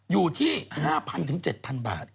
อยู่ที่๕๐๐๗๐๐บาท